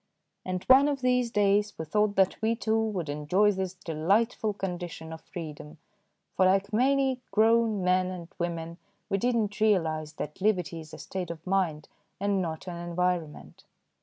And one of these days we thought that we, too, would enjoy this delightful condition of freedom, for, like many grown men and women, we did not realise that liberty is a state of mind and not an environment.